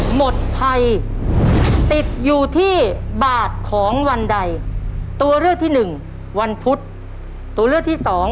หนูเคยเดินผ่าน